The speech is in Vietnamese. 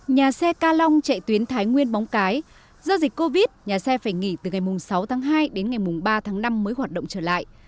nhà xe ca long chạy tuyến thái nguyên bóng cái do dịch covid nhà xe phải nghỉ từ ngày sáu tháng hai đến ngày ba tháng năm mới hoạt động trở lại